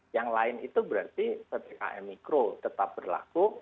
yang lain itu berarti ppkm mikro tetap berlaku